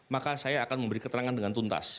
maka saya akan memberi keterangan dengan tuntas